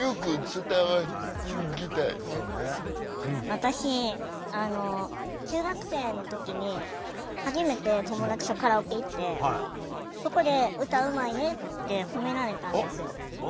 私中学生の時に初めて友達とカラオケ行ってそこで歌うまいねってほめられたんですよ。